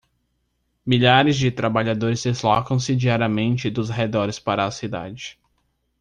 Milhares de trabalhadores deslocam-se diariamente dos arredores para a cidade.